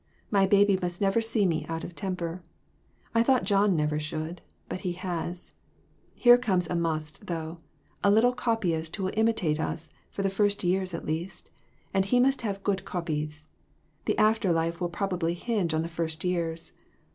My baby must never see me out of temper. I thought John never should, but he has. Here comes a must, though a little copyist who will imitate us, for the first years at least, and he must have good copies ; the after life will probably hinge on the first years.